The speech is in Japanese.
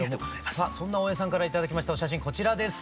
さあそんな大江さんから頂きましたお写真こちらです。